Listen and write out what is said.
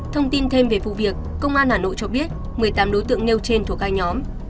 thông tin thêm về vụ việc công an hà nội cho biết một mươi tám đối tượng nêu trên thuộc các nhóm